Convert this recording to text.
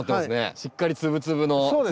しっかり粒々の土。